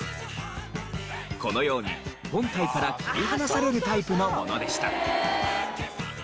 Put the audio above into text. このように本体から切り離されるタイプのものでした。